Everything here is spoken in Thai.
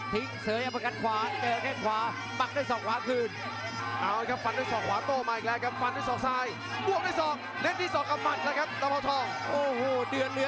ปฏิสารให้กับตัวเองได้อีกครั้งหนึ่ง